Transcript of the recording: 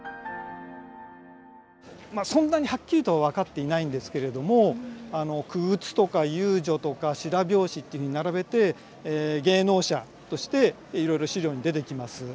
そんなにはっきりとは分かっていないんですけれども傀儡とか遊女とか白拍子っていうふうに並べて芸能者としていろいろ資料に出てきます。